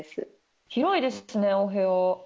広いですねお部屋。